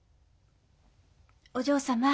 お嬢様。